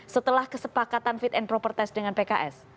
setelah kesepakatan fit and proper test dengan pks